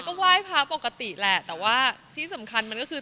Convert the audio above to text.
ก็ไหว้พระปกติแหละแต่ว่าที่สำคัญมันก็คือ